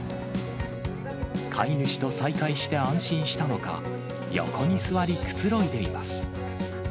飼い主と再会して安心したのか、横に座りくつろいでいます。